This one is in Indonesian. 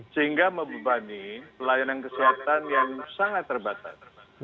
sehingga membebani pelayanan kesehatan yang sangat terbatas